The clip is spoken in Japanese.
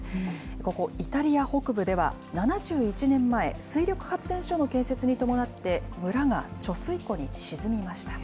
ここイタリア北部では７１年前、水力発電所の建設に伴って村が貯水湖に沈みました。